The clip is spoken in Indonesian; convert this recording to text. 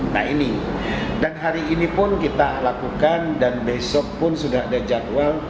nah ini dan hari ini pun kita lakukan dan besok pun sudah ada jadwal